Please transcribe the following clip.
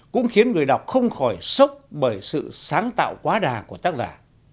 cũng khiến người đọc không khỏi sốc bởi sự sáng tạo quá đà của tác giả